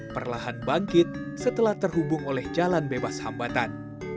perlahan bangkit setelah terhubung oleh jalan bebas hambatan